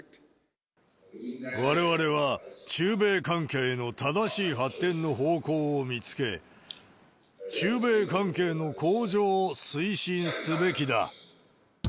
われわれは中米関係の正しい発展の方向を見つけ、中米関係の向上を推進すべきだ。